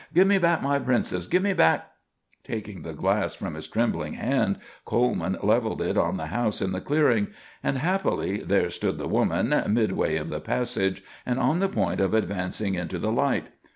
Give me back my princess give me back " Taking the glass from his trembling hand, Coleman leveled it on the house in the clearing; and, happily, there stood the woman, midway of the passage, and on the point of advancing into the light.